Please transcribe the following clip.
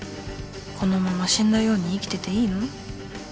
このまま死んだように生きてていいの？